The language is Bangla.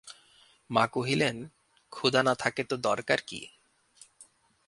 মা কহিলেন, ক্ষুধা না থাকে তো দরকার কী!